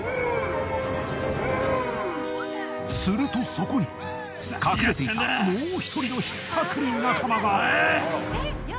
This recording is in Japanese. するとそこに隠れていたもう一人のひったくり仲間が。